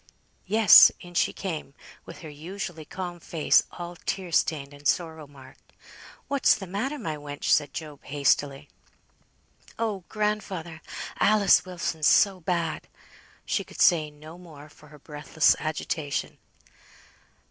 Yes; in she came with her usually calm face all tear stained and sorrow marked. "What's the matter, my wench?" said Job, hastily. "Oh! grandfather! Alice Wilson's so bad!" She could say no more, for her breathless agitation.